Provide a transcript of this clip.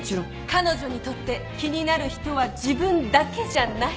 彼女にとって気になる人は自分だけじゃない。